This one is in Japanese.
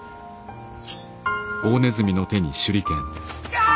やあ！